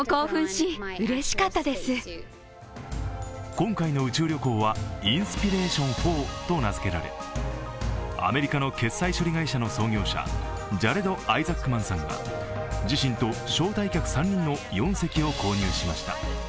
今回の宇宙旅行は「インスピレーション４」と名づけられアメリカの決済処理会社の創業者ジャレド・アイザックマンさんが自身と招待客３人の４席を購入しました。